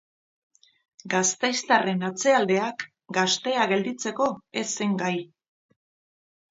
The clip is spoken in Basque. Gasteiztarren atzealdeak gaztea gelditzeko ez zen gai.